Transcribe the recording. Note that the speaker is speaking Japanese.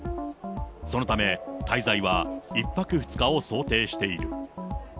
そのため、滞在は１泊２日を想定している。